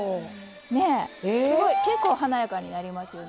ねえすごい結構華やかになりますよね。